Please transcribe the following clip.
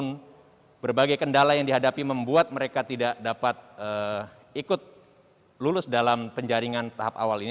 namun berbagai kendala yang dihadapi membuat mereka tidak dapat ikut lulus dalam penjaringan tahap awal ini